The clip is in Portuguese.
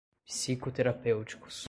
psicoterapêuticos